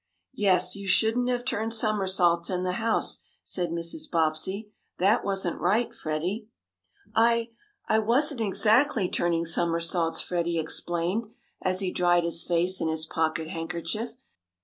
"Yes, you shouldn't have turned somersaults in the house," said Mrs. Bobbsey. "That wasn't right, Freddie." "I I wasn't exactly turning somersaults," Freddie explained, as he dried his face in his pocket handkerchief.